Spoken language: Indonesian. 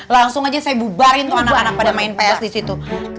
langsung aja saya bubarin tuh anak anak pada main ps di situ